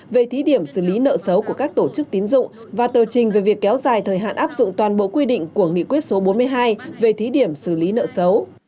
về thí điểm xử lý nợ xấu của các tổ chức tín dụng và tờ trình về việc kéo dài thời hạn áp dụng toàn bộ quy định của nghị quyết số bốn mươi hai về thí điểm xử lý nợ xấu